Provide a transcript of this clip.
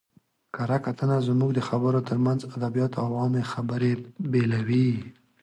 کره کتنه زموږ د خبرو ترمنځ ادبیات او عامي خبري بېلوي.